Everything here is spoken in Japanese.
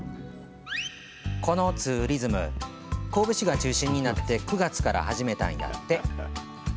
このツーリズム、神戸市が中心になって９月から始めたんやって。